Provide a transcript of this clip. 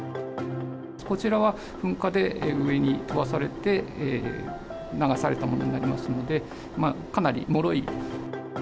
こちらは噴火で上に飛ばされて流されたものになりますので、かなりもろい。